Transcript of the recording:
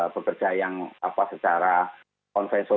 bekerja yang apa secara konvensional